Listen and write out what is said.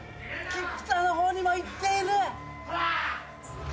菊田の方にも行っている！